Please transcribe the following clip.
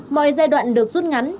mọi giai đoạn được rút ngắn